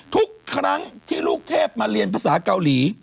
ทุกครั้งที่ลูกเทพมาเรียนภาษาเกาหลี